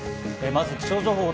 まず気象情報です。